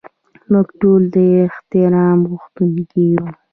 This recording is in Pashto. موږ ټول د احترام غوښتونکي یو.